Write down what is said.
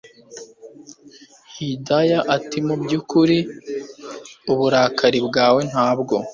Hidaya atimubyukuri uburakari bwawe ntabwo